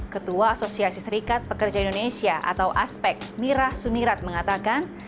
ketua asosiasi serikat pekerja indonesia atau aspek mira sunirat mengatakan